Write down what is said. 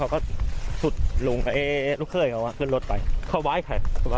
เขาก็สุดหลวงกับลูกเค้ยเขาว่าขึ้นรถไปเขาไว้ใคร